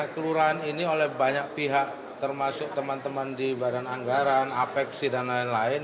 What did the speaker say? kelurahan ini oleh banyak pihak termasuk teman teman di badan anggaran apeksi dan lain lain